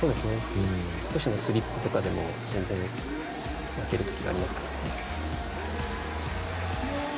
少しのスリップとかでも全然、負ける時がありますからね。